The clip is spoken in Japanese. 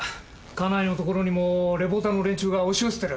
家内のところにもリポーターの連中が押し寄せてる。